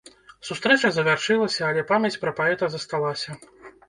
Сустрэча завяршылася, але памяць пра паэта засталася.